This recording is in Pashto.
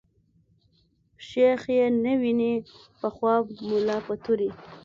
شيخ ئې نه ويني په خواب ملا په توري